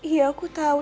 iya aku tahu